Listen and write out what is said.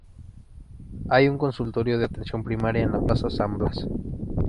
Hay un consultorio de atención primaria en la plaza San Blas.